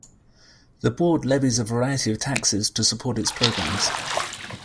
The board levies a variety of taxes to support its programs.